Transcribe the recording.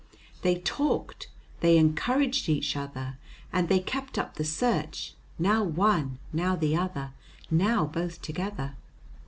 They talked, they encouraged each other, and they kept up the search, now one, now the other, now both together.